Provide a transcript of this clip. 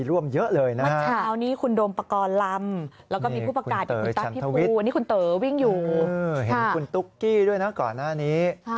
เห็นคุณตุ๊กกี้ด้วยนะก่อนหน้านี้